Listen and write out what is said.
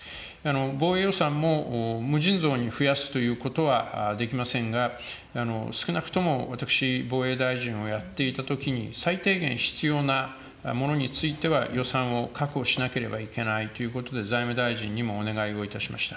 防衛予算も無尽蔵に増やすということはできませんが、少なくとも私、防衛大臣をやっていたときに、最低限必要なものについては予算を確保しなければいけないということで、財務大臣にもお願いをいたしました。